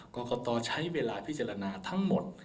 กรกตใช้เวลาพิจารณาทั้งหมด